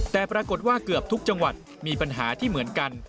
แต่ปรากฏว่าเกือบทุกจังหวัดมีปัญหาที่เหมือนกัน